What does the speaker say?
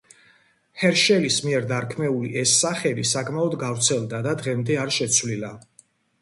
ჰერშელის მიერ დარქმეული ეს სახელი საკმაოდ გავრცელდა და დღემდე არ შეცვლილა.